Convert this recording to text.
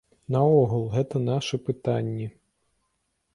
Наогул гэта нашы пытанні.